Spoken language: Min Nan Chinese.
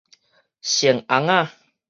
蟮尪仔